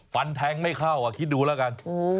ฟันแทงไม่เข้าคิดดูแล้วกัน